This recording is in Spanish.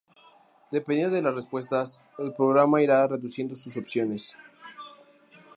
Dependiendo de las respuestas, el programa irá reduciendo sus opciones.